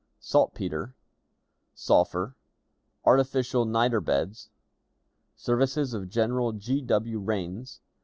Saltpeter. Sulphur. Artificial Niter Beds. Services of General G. W. Rains.